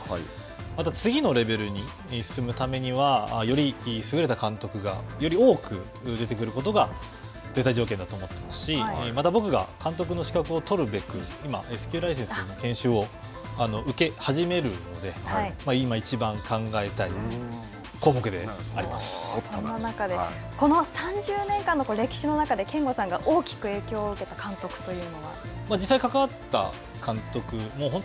また次のレベルに進むためには、より優れた監督がより多く出てくることが絶対条件だと思っていますしまた、僕が監督の資格を取るべく今、Ｓ級ライセンスの研修を受け始めているので今、いちばん考えたい項目でありそんな中で、この３０年間の歴史の中で憲剛さんが大きく影響を受けた実際、関わった監督、本当